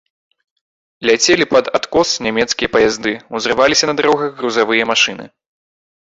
Ляцелі пад адкос нямецкія паязды, узрываліся на дарогах грузавыя машыны.